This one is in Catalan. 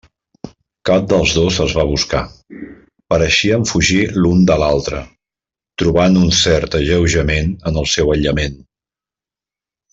Cap dels dos es va buscar; pareixien fugir l'un de l'altre, trobant un cert alleujament en el seu aïllament.